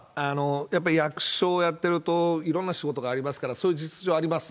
やっぱり役所をやってると、いろんな仕事ありますから、そういう実情あります。